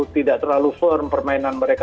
tidak terlalu firm permainan mereka